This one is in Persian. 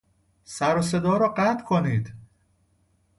سر و صدا را قطع کنید!